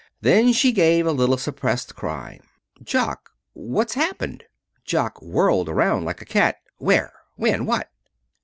Then she gave a little suppressed cry. "Jock, what's happened?" Jock whirled around like a cat. "Where? When?